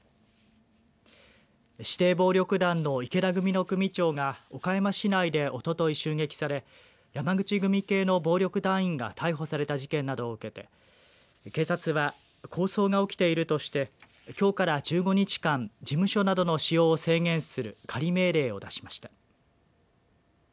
指定暴力団の池田組の組長が岡山市内で、おととい襲撃され山口組系の暴力団員が逮捕された事件などを受けて警察は抗争が起きているとしてきょうから１５日間事務所などの使用を制限する仮命令を出しました。